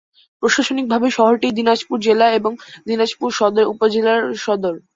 প্রশাসনিকভাবে শহরটি দিনাজপুর জেলা এবং দিনাজপুর সদর উপজেলার সদর।